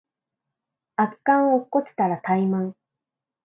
空き缶落っこちたらタイマン